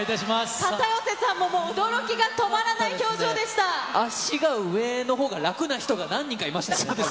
片寄さんももう、驚きが止まらな足が上のほうが楽な人が何人確かに。